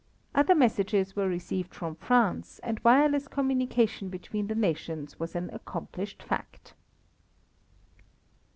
Other messages were received from France, and wireless communication between the nations was an accomplished fact.